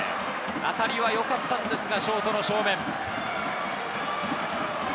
当たりはよかったんですがショート正面。